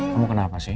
kamu kenapa sih